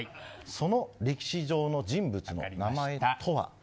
その歴史上の人物の名前とは。